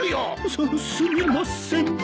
すすみません。